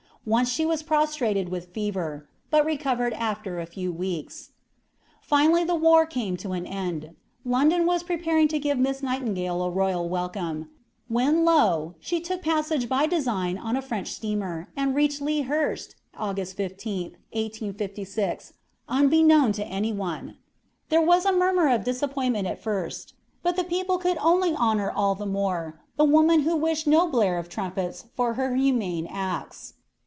Once she was prostrated with fever, but recovered after a few weeks. Finally the war came to an end. London was preparing to give Miss Nightingale a royal welcome, when, lo! she took passage by design on a French steamer, and reached Lea Hurst, Aug. 15, 1856, unbeknown to any one. There was a murmur of disappointment at first, but the people could only honor all the more the woman who wished no blare of trumpets for her humane acts.